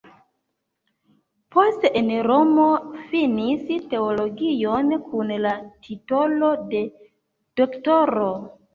Poste en Romo finis teologion kun la titolo de doktoro.